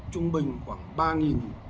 trung bình khoảng ba